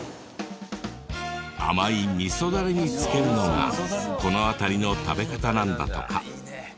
甘い味噌ダレにつけるのがこの辺りの食べ方なんだとか。